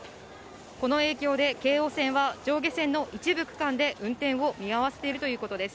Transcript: この影響で京王線は上下線の一部区間で運転を見合わせているということです。